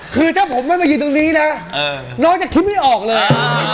คือถ้าผมไม่มายืนตรงนี้นะน้องจะคิดไม่ออกเลย